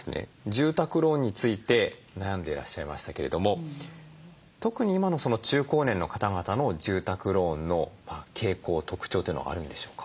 住宅ローンについて悩んでいらっしゃいましたけれども特に今の中高年の方々の住宅ローンの傾向特徴というのはあるんでしょうか？